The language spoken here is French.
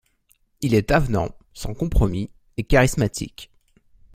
Il est avenant, sans compromis et charismatique.